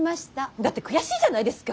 だって悔しいじゃないですか！